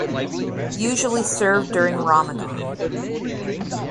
Usually served during Ramadan.